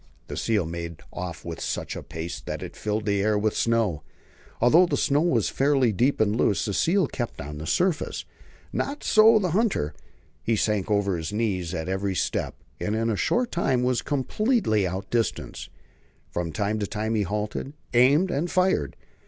The seal made off at such a pace that it filled the air with snow. Although the snow was fairly deep and loose, the seal kept on the surface. Not so the hunter: he sank over the knees at every step, and in a short time was completely outdistanced. From time to time he halted, aimed, and fired.